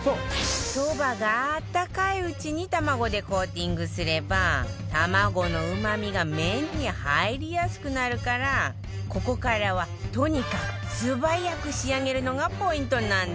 そばがあったかいうちに卵でコーティングすれば卵のうまみが麺に入りやすくなるからここからはとにかく素早く仕上げるのがポイントなんだって